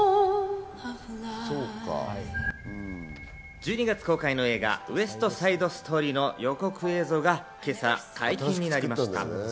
１２月公開の映画『ウエスト・サイド・ストーリー』の予告映像が今朝、解禁になりました。